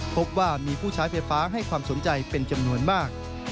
พบว่ามีผู้ใช้ไฟฟ้าให้ความสนใจเป็นจำนวนมาก